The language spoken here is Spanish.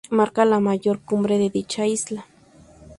Marca la mayor cumbre de dicha isla.